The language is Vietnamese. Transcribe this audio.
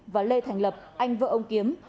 và lê thành lập anh vợ ông kiếm